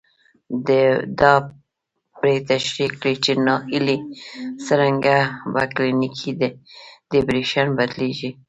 دا پرې تشرېح کړي چې ناهيلي څرنګه په کلينيکي ډېپريشن بدلېږي.